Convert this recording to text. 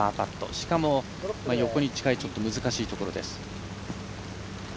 しかも、横に近い難しいところです。